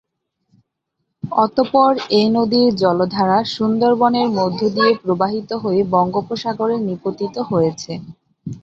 অতঃপর এই নদীর জলধারা সুন্দরবনের মধ্য দিয়ে প্রবাহিত হয়ে বঙ্গোপসাগরে নিপতিত হয়েছে।